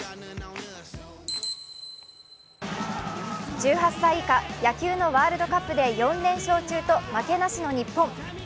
１８歳以下、野球のワールドカップで４連勝中と負けなしの日本。